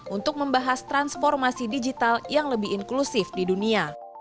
untuk membahas transformasi digital yang lebih inklusif di dunia